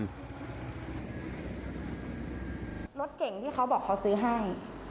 รถเก่งที่เขาบอกเขาซื้อให้